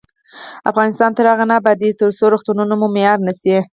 افغانستان تر هغو نه ابادیږي، ترڅو روغتونونه مو معیاري نشي.